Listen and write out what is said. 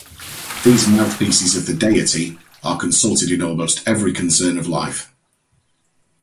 These mouthpieces of the deity are consulted in almost every concern of life.